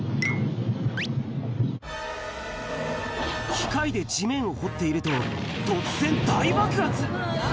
機械で地面を掘っていると、突然、大爆発。